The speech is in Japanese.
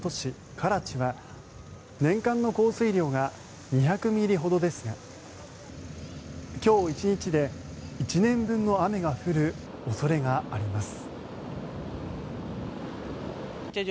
カラチは年間の降水量が２００ミリほどですが今日１日で１年分の雨が降る恐れがあります。